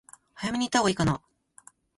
早めに行ったほうが良いかな？